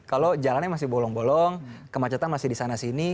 kalau jalannya masih bolong bolong kemacetan masih di sana sini